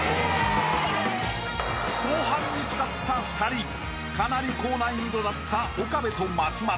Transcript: ［後半見つかった２人かなり高難易度だった岡部と松丸］